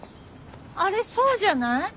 あれそうじゃない？